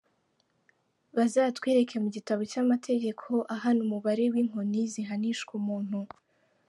Bazatwereke mu gitabo cy’amategeko ahana umubare w’inkoni zihanishwa umuntu’.